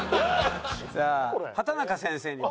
さあ畠中先生にも。